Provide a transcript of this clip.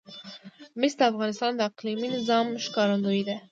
مس د افغانستان د اقلیمي نظام ښکارندوی ده.